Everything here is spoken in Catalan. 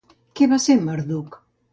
Què va ser Marduk?